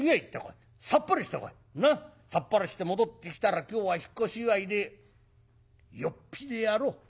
さっぱりして戻ってきたら今日は引っ越し祝いでよっぴでやろう」。